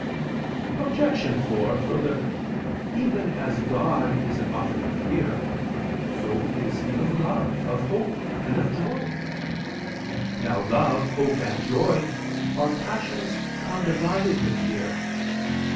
Obj. 4: Further, even as God is an object of fear, so is He of love, of hope, and of joy. Now love, hope, and joy are passions condivided with fear.